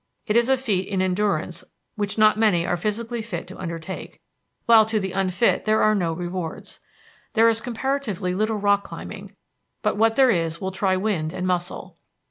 It is a feat in endurance which not many are physically fit to undertake, while to the unfit there are no rewards. There is comparatively little rock climbing, but what there is will try wind and muscle.